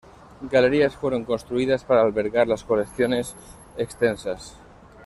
Galerías fueron construidas para albergar las colecciones extensas.